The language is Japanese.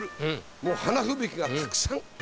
もう花吹雪がたくさん。